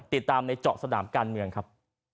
ติดตามในเจาะสนามการเมืองครับ